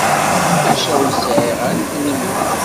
Maca ur sɛiɣ ara idrimen.